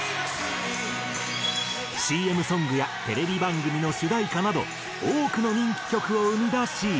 ＣＭソングやテレビ番組の主題歌など多くの人気曲を生み出し。